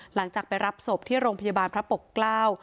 หลังจากไปรับศพที่โรงพยาบาลพระปกเกล้า